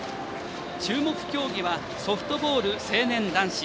注目競技はソフトボール成年男子。